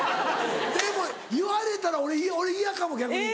でも言われたら俺嫌かも逆に。